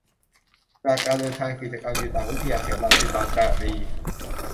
จากการเดินทาง กิจกรรมอยู่ต่างวิทยาเขต รังสิต-บางกะดี